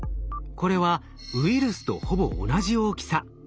これはウイルスとほぼ同じ大きさ。